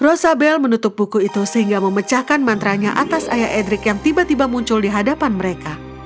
rosabel menutup buku itu sehingga memecahkan mantranya atas ayah edrik yang tiba tiba muncul di hadapan mereka